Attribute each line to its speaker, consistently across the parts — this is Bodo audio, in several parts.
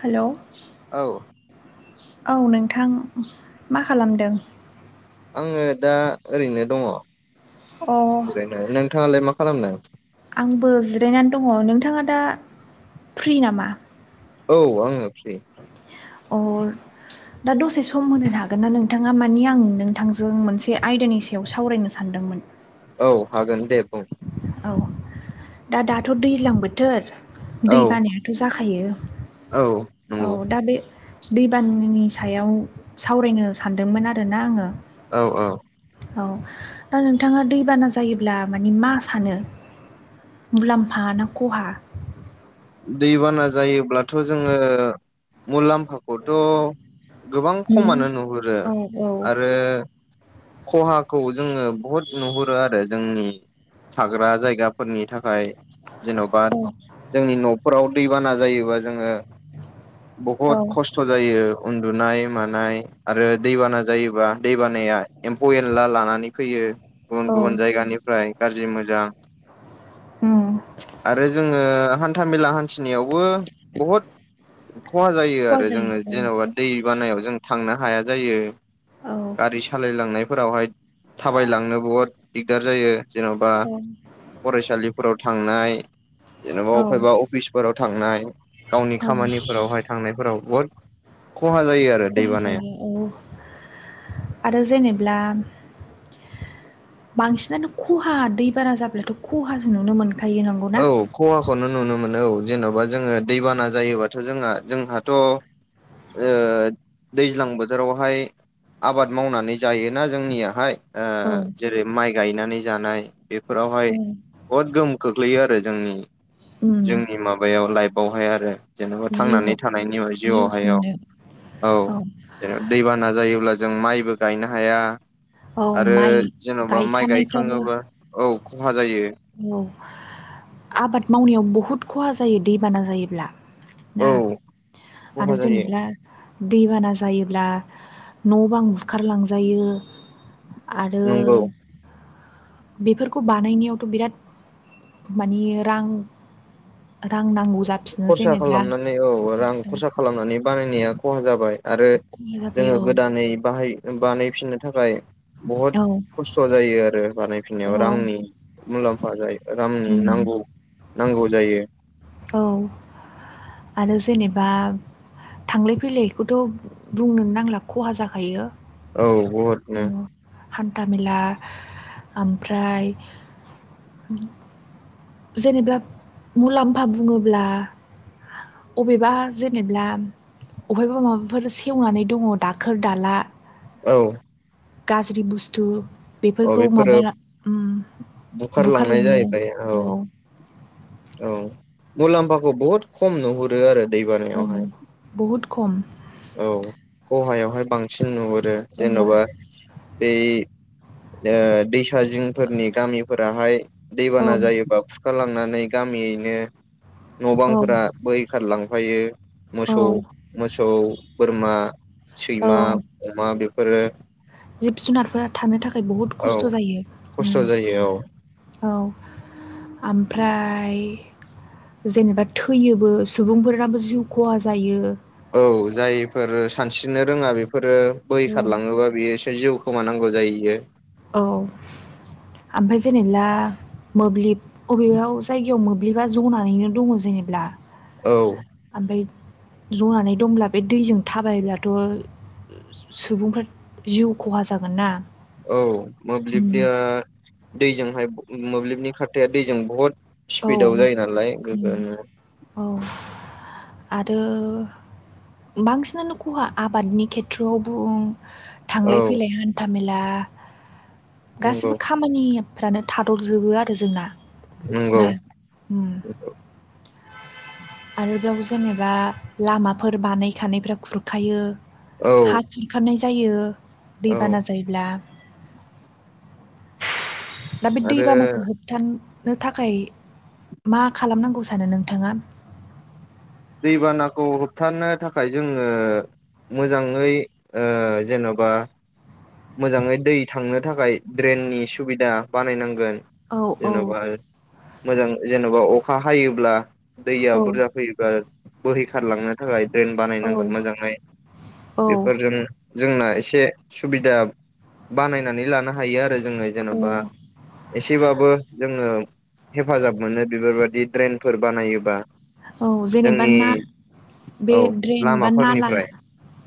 Speaker 1: हेलौ
Speaker 2: औ
Speaker 1: औ नोंथां मा खालामदों?
Speaker 2: आङो दा ओरैनो दङ'
Speaker 1: अ
Speaker 2: जिरनो नोंथाङालाय मा खालामदों?
Speaker 1: आंबो जिरायनानै दङ' नोंथाङा दा फ्रि नामा?
Speaker 2: औ आंङो फ्रि।
Speaker 1: अ दा दसे सम होनो हागोन ना नोंथाङा मानि आं नोंथांजों मोनसे आयदानि सायाव सावरायनो सान दोंमोन।
Speaker 2: औ हागोन दे बुं।
Speaker 1: औ दा दाथ' दैज्लां बोथोर
Speaker 2: औ
Speaker 1: दै बानायाथ' जाखायो औ दा बे दैबानि सायाव सावरायनो सानदोंमोन आरोना आङो
Speaker 2: औ औ
Speaker 1: औ दा नोंथाङा दैबाना जायोब्ला मानि मा सानो? मुलाम्फा ना खहा
Speaker 2: दैबाना जायोब्लाथ' जोङो मुलाम्फ फाखौथ' गोबां
Speaker 1: नोङो
Speaker 2: खमानो नुहुरो
Speaker 1: औ औ
Speaker 2: आरो खहाखौ जोङो बुहुद नुहुरो आरो जोंनि थाग्रा जायगाफोरनि थाखाय। जेनावबा
Speaker 1: औ
Speaker 2: । न'फोराव दै बाना जायोबा जोङो
Speaker 1: औ
Speaker 2: बहुत खस्थ' जायो उन्दुनाय मानाय आरो दैबाना जायोबा दै बानाया । एम्फौ एनला लानानै फैयो गुबुन गुबुन
Speaker 1: औ
Speaker 2: जायगानिफ्राय गाज्रि मोजां।
Speaker 1: उम
Speaker 2: आरो जोङो हान्थामेला हान्थिनायावबो । बहुद खहा जायो
Speaker 1: खहा
Speaker 2: आरो जोङो
Speaker 1: जायो
Speaker 2: जेन'बा दै बानायाव जों थांना हाया जायो
Speaker 1: औ औ
Speaker 2: गारि सालायलांनायफोरावहाय थाबायलांनो बहुद दिगदार जायो जेन'बा
Speaker 1: औ
Speaker 2: फरायसालिफोराव थांनाय जेन'बा
Speaker 1: औ
Speaker 2: अबा अफिसफोराव थांनाय । गावनि
Speaker 1: औ
Speaker 2: खामानिफोरावहाय थांनायफोराव बहुद खहा जायो आरो दै
Speaker 1: खहा
Speaker 2: बानाया
Speaker 1: जायो औ आरो जेनेब्ला बांसिनानो खहा दै बारा जाब्लाथ' खहाजों नुनो मोन
Speaker 2: औ खवाखौनो नुनो मोन मोनो औ जेन'बा जोङो दैबाना जायोबाथ' जोंहा जोंहाथ' ओ दैज्लां बोथोरावहाय आबाद मावनानै जायोना जोंनियाहाय ।
Speaker 1: औ
Speaker 2: ओ जेरै माइ गायनानै जानाय बेफोरावहाय
Speaker 1: औ
Speaker 2: बहुद गोहोम खोख गोलैयो आरो जोंनि
Speaker 1: उम
Speaker 2: जोंनि माबायाव लाइफआवहाय आरो जेनेबा थांनानै
Speaker 1: जिउआव
Speaker 2: थानायनि
Speaker 1: जिउ
Speaker 2: जिउआवहायाव
Speaker 1: खुंनो
Speaker 2: औ। औ जों दैबाना जायोब्ला जों माइबो गायनो हाया।
Speaker 1: औ
Speaker 2: आरो
Speaker 1: माइ
Speaker 2: जेन'बा माइ
Speaker 1: गायखानायफ्राबो
Speaker 2: गायखाङोबा औ खहा जायो।
Speaker 1: औ आबाद मावनायाव बहुद खहा जायो दैबाना जायोब्ला। ना
Speaker 2: औ खहा
Speaker 1: आरो
Speaker 2: जायो
Speaker 1: जेनेब्ला दैबाना जायोब्ला न' बां बुखारलांजायो । आरो
Speaker 2: नंगौ
Speaker 1: बेफोरखौ बानायनायाव बिराद माने रां रां नांगौ जाफिनो
Speaker 2: खरसा
Speaker 1: जेनेब्ला
Speaker 2: खालामनानै औ रां
Speaker 1: जोंसो
Speaker 2: खरसा खालामनानै बानायनाया खहा जाबाय । आरो
Speaker 1: खहा जाबाय
Speaker 2: जोङो
Speaker 1: औ
Speaker 2: गोदानै बाहाय बानायफिननो थाखाय। बहुद
Speaker 1: औ
Speaker 2: खस्थ' जायो आरो बानायफिननायाव
Speaker 1: औ
Speaker 2: रांनि मुलाम्फा जायो। रांनि
Speaker 1: उम
Speaker 2: नांगौ नांगौ जायो।
Speaker 1: औ आरो जेनेबा । थांलाय फैलायखौथ' बुंनोनो नांला खहा जाखायो ।
Speaker 2: औ बहुदनो ।
Speaker 1: हान्थामेला ओमफ्राय । जेनेबा मुलाम्फा बुङोब्ला । अबेबा जेनेब्ला । अहायबा माबाफोर सेवनानै दङ दाखोर दाला
Speaker 2: औ
Speaker 1: गाज्रि बुस्थु ।
Speaker 2: औ बेफोरो बुखारलांनाय
Speaker 1: बुखारलाङो
Speaker 2: जाहैबाय औ । औ मुलाम्फाखौ बहुद खम नुहुरो आरो दै
Speaker 1: औ
Speaker 2: बानायावहाय।
Speaker 1: बहुद खम ।
Speaker 2: औ खहायावहाय बांसिन नुहुरो
Speaker 1: औ
Speaker 2: जेन'बा । बै ओ दैसा जिंफोरनि गामिफोराहाय।
Speaker 1: औ
Speaker 2: दैबाना जायोबा खुरखाालांनानै गामियैनो
Speaker 1: औ
Speaker 2: न'बांफोरा बोहैखारलां फायो मोसौ
Speaker 1: औ
Speaker 2: मोसौ बोरमा सैमा
Speaker 1: औ
Speaker 2: अमा बे फोर
Speaker 1: जिब जुनारफोरा थानो थाखाय बहुद
Speaker 2: औ
Speaker 1: खस्थ' जायो ओम।
Speaker 2: खस्थ' जायो
Speaker 1: औ आमफ्राय जेनेबा थैयोबो सुबुंफोरनाबो जिउ खहा जायो।
Speaker 2: औ जायफोर सानस्रिनो रोङा बेफोरो
Speaker 1: औ
Speaker 2: बैखारलाङोबा बेयो एसे जिउ खोमानांगौ जाययो।
Speaker 1: औ ओमफ्राय जेनेला मोब्लिब अबेबा जायगायाव मोब्लिबा जनानैनो दङ जेनेबब्ला।
Speaker 2: औ
Speaker 1: ओमब्रिद जनानै दंब्ला बे दैजों थाबायब्लाथ' सुबुंफ्रा जिउ खहा जागोन ना।
Speaker 2: औ
Speaker 1: उम
Speaker 2: मोब्लिबनिया दैजोंहाय मोब्लिबनि खाारथाया दैजों बहुद
Speaker 1: औ
Speaker 2: स्पिडाव जायो नालाय गो
Speaker 1: उम
Speaker 2: ओयो।
Speaker 1: औ आरो बांसिनानो खहा आबादनि खेथ्रआव बुं
Speaker 2: औ
Speaker 1: थांलाय फैलाय हान्था मेला
Speaker 2: नंगौ
Speaker 1: गासिबो खामानिब फ्रानो थादजोबो आरो जोंना।
Speaker 2: नंगौ
Speaker 1: नाल उम आरो ब्लाउजो जेनेबा लामाफोर बानायखानायफ्रा खुरखायो।
Speaker 2: औ
Speaker 1: हा खुरखानाय जायो
Speaker 2: औ
Speaker 1: दैबाना जायोब्ला। दा बे
Speaker 2: आरो
Speaker 1: दैबानाखौ होबथान नो थाखाय मा खालामनांगौ सानो नोंथाङा?
Speaker 2: दैबानाखौ होबथानो थाखाय जोङो मोजाङै ओयो जेन'बा मोजाङै दै थांनो थाखाय ड्रेननि सुबिदा बानायनांगोन।
Speaker 1: औ औ
Speaker 2: जेन'बा मोजां जेन'बा अखा हायोब्ला दैया
Speaker 1: औ
Speaker 2: बुरजा फैयोब्ला बोहैखारलांनो थाखाय देन
Speaker 1: औ
Speaker 2: बानायनांगोन मोजाङै
Speaker 1: औ
Speaker 2: बेफोरजों जोंना एसे सुबिद याम बानायनानै लानो हायो आरो ज जोङो
Speaker 1: औ
Speaker 2: जेनेबा एसेबाबो जोङो हेफाजाब मोनो बिबारबाय बि ड्रेनफोर बानायोबा
Speaker 1: औ जेनेबा
Speaker 2: जोंनि
Speaker 1: ना
Speaker 2: औ
Speaker 1: बे ड्रेन बा नाला
Speaker 2: लामाफोरनिफ्राय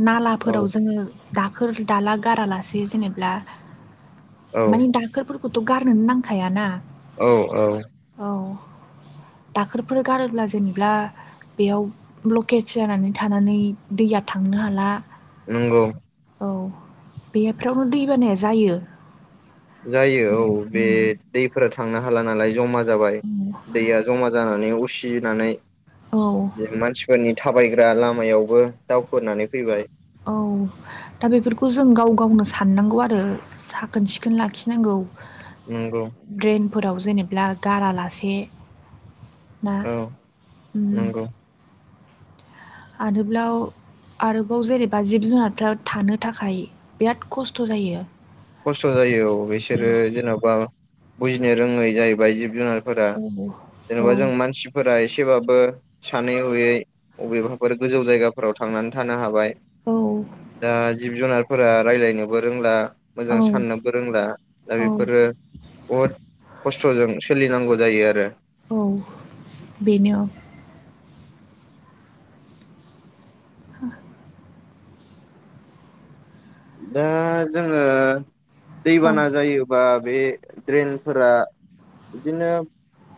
Speaker 1: नालाफोराव
Speaker 2: औ
Speaker 1: जोङो दाखोर दाला गारालासे इ जेनेब्ला
Speaker 2: औ
Speaker 1: मानि दाखोरफोरखौथ' गारनोनो नांखायाना।
Speaker 2: औ औ।
Speaker 1: औ दाखोरफोर गारोब्ला जो जेनेब्ला बेयाव ब्लकेेज जानानै थानानै दैया थांनो हाला।
Speaker 2: नंगौ।
Speaker 1: औ बेफ्रावनो दैबानाया जायो।
Speaker 2: जायो औ बे
Speaker 1: उम
Speaker 2: दैफोरा थांनो हाला नालाय जमा जाबाय दैया जमा जानानै उसिनानै
Speaker 1: औ
Speaker 2: जे मानसिफोरनि था थाबायग्रा लामायावबो दावखोनानै फैबाय।
Speaker 1: औ दा बेफोरखौ जों गाव गावनो साननांगौ आरो साखोन सिखोन लाखिनांगौ।
Speaker 2: नंगौ।
Speaker 1: फोराव जेनेबा गारालासे दा
Speaker 2: औ
Speaker 1: उम।
Speaker 2: नंगौ
Speaker 1: आरोब्लाव आरोबाव जेनेबा जिब जुनारफ्रा थानो थाखाय बिराद खस्थ' जायो।
Speaker 2: खस्थ' जायो औ बिसोरो जेन'बा बुजिनो रोङै जाहैबाय जिब जुनार फोरा
Speaker 1: औ औ
Speaker 2: जेन'बा जों मानसिफोरा एसेबाबो सानै हयै अबेबाफोर गोजौ जायगाफोराव थांनानै थानो हाबाय। दा जिब जुनारफोरा रायलायनोबो रोंला।
Speaker 1: औ
Speaker 2: मोजां साननोबो रोंला दा बेफोरो
Speaker 1: औ
Speaker 2: बहुद खस्थ'जों सोलिनांगौ जायो आरो।
Speaker 1: औ बेनेय। हो
Speaker 2: दा जोङो
Speaker 1: औ
Speaker 2: दैबाना जायोबा बे ड्रेनफोरा बिदिनो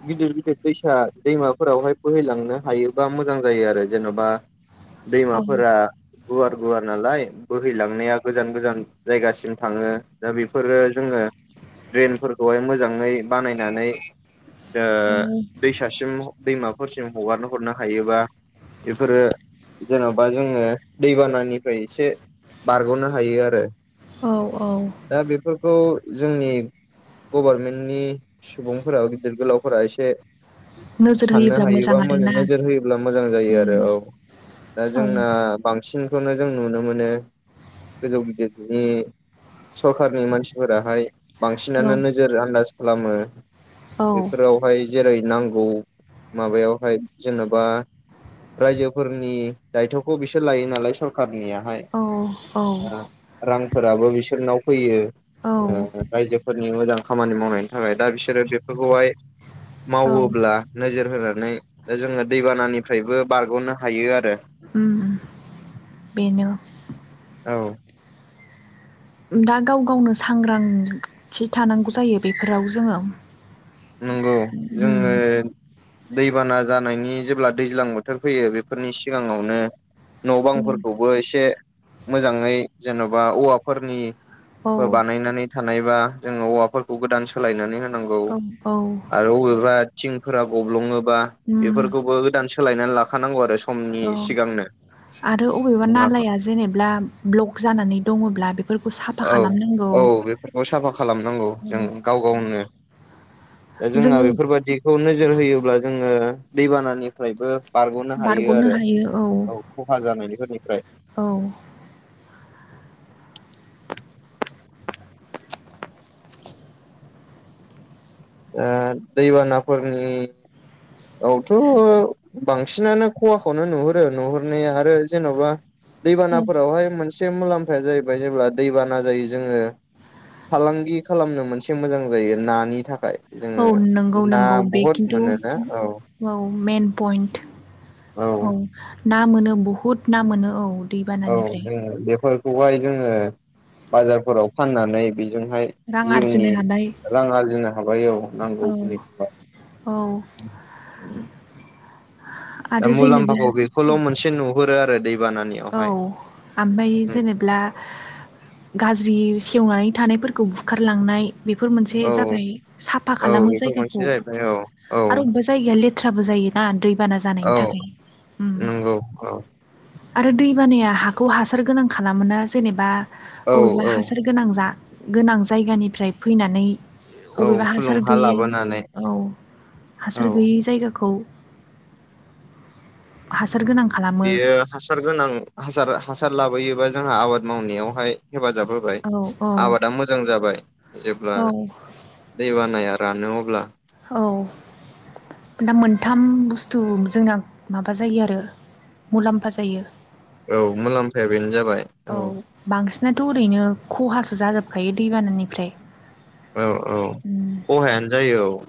Speaker 2: गिदिर गिदिर दैसा दैमाफोरावहाय बोहैलांनो हायोबा मोजां जायो आरो जेन'बा
Speaker 1: औ
Speaker 2: दैमाफोरा गुवार-गुवार नालाय बोहैलांनाया गोजान-गोजान जायगासिम थाङो दा बेफोरो जोङो ड्रेनफोरखौहाय मोजाङै बानायनानै ओ
Speaker 1: औ
Speaker 2: दैसासिम दैमाफोरसिम हगारनो हरनो हायोबा बेफोरो जेन'बा जोङो दै बानानिफ्राय एसे बारग'नो हायो आरो ‌।
Speaker 1: औ औ
Speaker 2: दा बेफोरखौ जोंनि गभारमेन्टनि सुबुंफोरा गिदिर गोलावफोरा इसे
Speaker 1: नोजोर
Speaker 2: साननो
Speaker 1: होयोब्ला
Speaker 2: हायोबा मोजां
Speaker 1: आरोना
Speaker 2: नोजोर होयोब्ला मोजां जायो आरो
Speaker 1: उम
Speaker 2: औ दा
Speaker 1: औ
Speaker 2: जोंना बांसिनखौनो जों नुनो मोनो गोजौ गिदिरफोरनि सरखारनि मानसिफोराहाय
Speaker 1: औ
Speaker 2: बांसिनानो नोजोर आन्दाज खालामो
Speaker 1: औ
Speaker 2: बेफोरावहाय जेरै- नांगौ माबायावहाय जेन'बा रायजोफोरनि दायथ'खौ बिसोर लायो नालाय सरखारनिया
Speaker 1: औ औ
Speaker 2: ओ रांफोराबो बिसोरनाव फैयो
Speaker 1: औ
Speaker 2: ओ रायजोफोरनि मोजां खामानि मावनायनि थाखाय दा बिसोरो बेफोरखौ आय
Speaker 1: औ
Speaker 2: मावोब्ला नोजोर होना नै जोङो दै बानानिफ्रायबो बारग'नो हायो आरो ।
Speaker 1: उम बेनो
Speaker 2: औ
Speaker 1: दा गाव गावनो सांग्रां - थि थानांगौ जायो बेफोराव जोङो
Speaker 2: नंगौ
Speaker 1: । उम
Speaker 2: जोङो दैबाना जानायनि जेब्ला दैज्लां बोथोर फैयो बेफोरनि सिगाङावनो न' बांफोरखौबो इसे मोजाङै जेन'बा औवाफोरनि
Speaker 1: औ
Speaker 2: बो बानायनानै थानायबा जोङो औवाफोरखौ गोदान सोलायनानै होनांगौ
Speaker 1: औ औ
Speaker 2: आरो अबेबा थिंफोरा गब्लङोबा
Speaker 1: उम
Speaker 2: बेफोरखौबो गोदान सोलायनानै लाखानांगौ आरो समनि
Speaker 1: औ
Speaker 2: सिगांनो
Speaker 1: आरो अबेबा
Speaker 2: नङाबा
Speaker 1: नालाया जेनेब्ला ब्ल'क जानानै दङ'ब्ला बेफोर
Speaker 2: औ औ बेफोरखौ साफा खालामनांगौ जों गाव गावनो ओ जोंहा
Speaker 1: जोङो
Speaker 2: बेफोरबादिखौ नोजोर होयोब्ला जोङो दैबानानिफ्रायबो बारग'नो हायो आरो औ खहा जानायनि
Speaker 1: औ
Speaker 2: ओ दैबानाफोरनि औ थ' बांसिनानो ख'हाखौनो नुहुरो नुहुरनाया आरो जेन'बा दैबानाफोरावहाय मोनसे मुलाम्फाया जाहैबाय जेब्ला दैबाना जायो जोङो फालांगि खालामनो मोनसे मोजां जायो नानि थाखाय
Speaker 1: औ
Speaker 2: जोङो
Speaker 1: नोंगौ
Speaker 2: ना
Speaker 1: नोंगौ बे
Speaker 2: बहुद
Speaker 1: खिन्थु
Speaker 2: मोनोना औ
Speaker 1: औ मेइन पइन्ट औ ना मोनो बुहुद ना मोनो औ
Speaker 2: औ
Speaker 1: दैबानानिफ्राय
Speaker 2: जोङो बेफोरखौहाय जोङो बाजारफोराव फाननानै बि जोंहाय
Speaker 1: रां
Speaker 2: जिउनि
Speaker 1: आरजिनो हानाय
Speaker 2: रां आरजिनो हाबाय औ नांगौ खिनिखौ हाय
Speaker 1: औ
Speaker 2: दा
Speaker 1: आरो जेनेब्ला
Speaker 2: मुलाम्फाखौ बेखौल' मोनसे नुहुरो आरो दै
Speaker 1: औ ओमफ्राय जेनेब्ला गाज्रि सेवनानै थानायफोर खौ बुखारलांनाय बेफोर मोनसे
Speaker 2: औ
Speaker 1: जाबाय साफा
Speaker 2: औ
Speaker 1: खालामो
Speaker 2: बेफोर मोनसे
Speaker 1: जायगाखौ
Speaker 2: जाहैबाय औ औ
Speaker 1: आरो अबेबा जायगाया लेथ्राबो जायोना दै दै बाना जानायनि
Speaker 2: औ
Speaker 1: थाखाय उम
Speaker 2: नंगौ औ
Speaker 1: आरो दैबानाया हाखौ हासार गोनां खालामोना जेनेबा
Speaker 2: औ
Speaker 1: अबेबा
Speaker 2: औ
Speaker 1: हासार गोनां जा गोनां जायगानिफ्राय फैनानै
Speaker 2: औ
Speaker 1: अबेबा
Speaker 2: फुलुं
Speaker 1: हासार
Speaker 2: हा
Speaker 1: गैयै
Speaker 2: लाबोनानै
Speaker 1: औ हासार गैयै औ जायगाखौ हासार गोनां खालामो
Speaker 2: बेयो हासार गोनां हासार हासार लाबोयोबा जोंहा आबाद मावनायावहाय हेफाजाब होबाय
Speaker 1: औ औ
Speaker 2: आबादा मोजां जाबाय जेब्ला
Speaker 1: औ
Speaker 2: दैबानाया रानो अब
Speaker 1: औ। दा मोनथाम बुस्थु जोंना माबा जायो आरो मुलाम्फा जायो।
Speaker 2: औ मुलाम्फाया बेनो जाबाय
Speaker 1: औ बांसिनाथ' ओरैनो खहासो जाजोबखायो दैबानानिफ्राय
Speaker 2: औ
Speaker 1: उम
Speaker 2: औ खहायानो जायो औ।